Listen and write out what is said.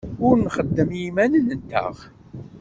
Ad nexdem i yiman-nteɣ.